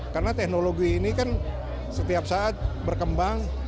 karena teknologi ini kan setiap saat berkembang